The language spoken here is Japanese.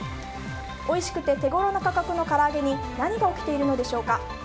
おいしくて手ごろな価格のから揚げに何が起きているのでしょうか。